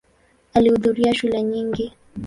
Alihudhuria shule nyingi.